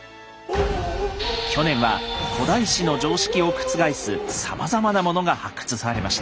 去年は古代史の常識を覆すさまざまなものが発掘されました。